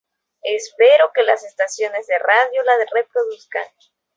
Espero que las estaciones de radio la reproduzcan".